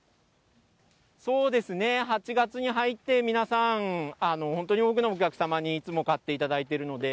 そうですね、８月に入って、皆さん、本当に多くのお客様にいつも買っていただいてるので。